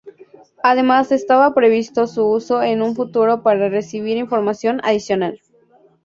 Además estaba previsto su uso en un futuro para recibir información adicional.